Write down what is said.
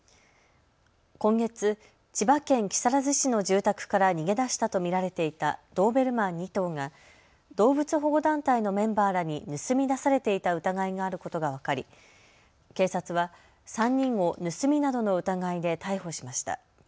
今月、千葉県木更津市の住宅から逃げ出したと見られていたドーベルマン２頭が動物保護団体のメンバーらに盗み出されていた疑いがあることが分かり警察は３人を盗みなどの疑いで逮捕しました。